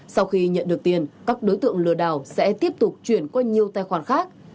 sau khi nhận được tiền các đối tượng lừa đảo sẽ tiếp tục chuyển qua nhiều tài khoản khác